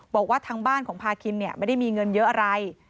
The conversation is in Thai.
บอกว่าทางบ้านของพาคินไม่ได้มีเงินเยอะอะไร